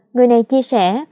người này chia sẻ